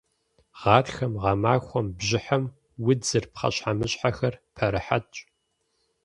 Гъатхэм, гъэмахуэм, бжьыхьэм удзыр, пхъэщхьэмыщхьэхэр пэрыхьэтщ.